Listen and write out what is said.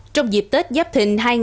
trong dịp tết giáp thịnh